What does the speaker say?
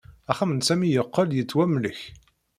Axxam n Sami yeqqel yettwamlek.